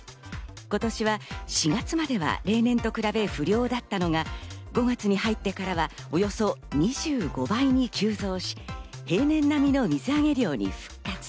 今年は４月までは例年と比べ不漁だったのが、５月に入ってからは、およそ２５倍に急増し、平年並みの水揚げ量に復活。